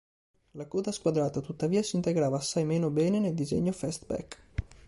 La coda squadrata, tuttavia, s'integrava assai meno bene nel disegno fastback.